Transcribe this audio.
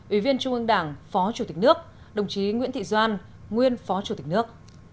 ủy viên trung ương đảng phó chủ tịch nước đồng chí nguyễn thị doan nguyên phó chủ tịch nước